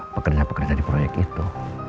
pekerja pekerja di proyek itu